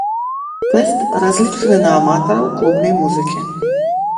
Фэст разлічаны на аматараў клубнай музыкі.